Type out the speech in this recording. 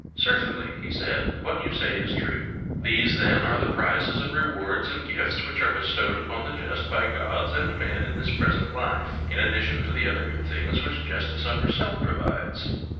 Certainly, he said, what you say is true. These, then, are the prizes and rewards and gifts which are bestowed upon the just by gods and men in this present life, in addition to the other good things which justice of herself provides.